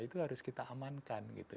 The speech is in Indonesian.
itu harus kita amankan gitu